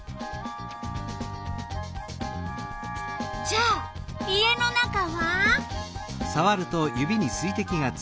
じゃあ家の中は？